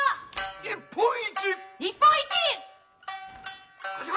日本一！